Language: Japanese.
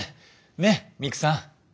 ねっミクさん？